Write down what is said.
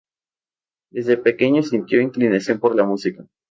Desde pequeño sintió inclinación por la música.